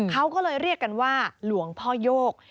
เขาก็เลยเรียกกันว่าหลวงพ่อโยก